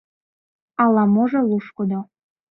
Ала-можо лушкыдо.